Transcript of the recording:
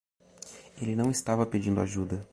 Ele não estava pedindo ajuda.